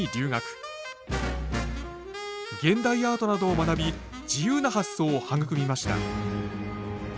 現代アートなどを学び自由な発想を育みました。